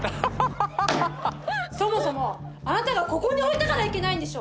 そもそもあなたがここに置いたからいけないんでしょ。